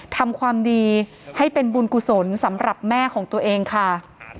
ทำความดีให้เป็นบุญกุศลสำหรับแม่ของตัวเองค่ะ